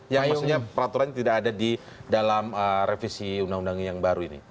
yang maksudnya peraturannya tidak ada di dalam revisi undang undang yang baru ini